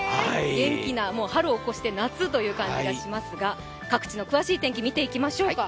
元気な、春を越して夏という感じがしますが各地の詳しい天気を見ていきましょうか。